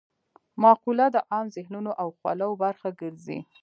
مقوله د عام ذهنونو او خولو برخه ګرځي